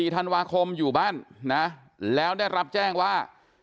ธันวาคมอยู่บ้านนะแล้วได้รับแจ้งว่า